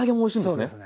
そうですね。